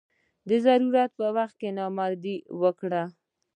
د ضرورت په وخت کې نامردي وکړه.